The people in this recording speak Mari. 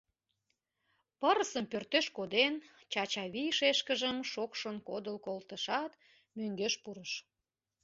Пырысым пӧртеш коден, Чачавий шешкыжым шокшын кодыл колтышат, мӧҥгеш пурыш.